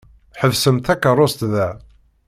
Ḥebsemt takeṛṛust da!